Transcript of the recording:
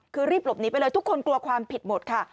คือรีบหลบหนีไปเลยทุกคนกลัวความผิดหมดค่ะ